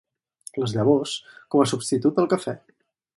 Les llavors com a substitut del cafè.